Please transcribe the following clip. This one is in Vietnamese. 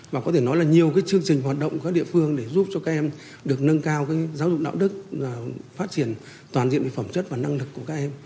và có thể nói là nhiều chương trình hoạt động của các địa phương để giúp cho các em được nâng cao giáo dục đạo đức phát triển toàn diện về phẩm chất và năng lực của các em